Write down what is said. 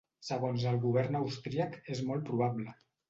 Segons el govern austríac és molt probable.